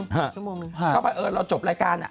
เข้าไปเออเราจบรายการอะ